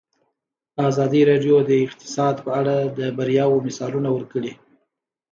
ازادي راډیو د اقتصاد په اړه د بریاوو مثالونه ورکړي.